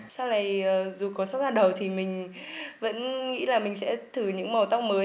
sau này dù có sắp ra đầu thì mình vẫn nghĩ là mình sẽ thử những màu tóc mới